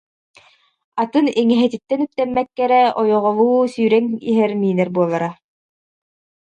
Атын иҥэһэтиттэн үктэммэккэ эрэ ойоҕолуу сүүрэн иһэн миинэр буолара